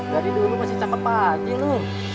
dari dulu lo masih cakep aja lo